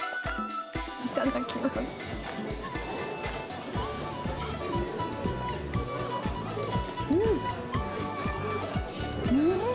いただきます。